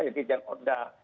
jadi di jan orda